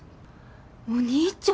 お兄ちゃん？